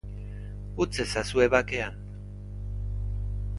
Utz ezazue bakean.